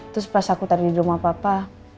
terus pas aku tari di rumah papa